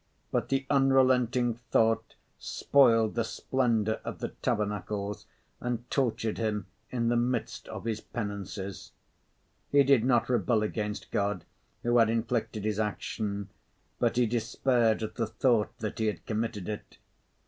But the unrelenting thought spoiled the splendour of the tabernacles and tortured him in the midst of his penances. He did not rebel against God, who had inflicted his action, but he despaired at the thought that he had committed it.